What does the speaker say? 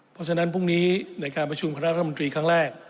เพราะฉะนั้นพรุ่งนี้ในการประชุมคณะรัฐมนตรีครั้งแรก